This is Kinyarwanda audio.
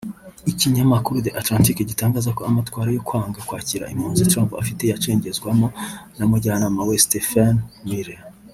Ikinyamakuru The Atlantic gitangaza ko amatwara yo kwanga kwakira impunzi Trump afite ayacengezwamo n’umujyanama we Stephen Miller